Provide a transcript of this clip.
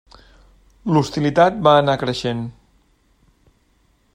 L'hostilitat va anar creixent.